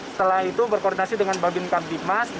setelah itu berkoordinasi dengan bagian kamp dikmas